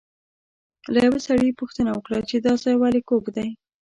له یوه سړي یې پوښتنه وکړه چې دا ځای ولې کوږ دی.